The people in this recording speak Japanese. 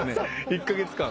１カ月間。